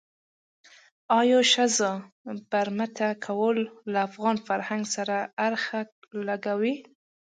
آیا ښځه برمته کول له افغان فرهنګ سره اړخ لګوي.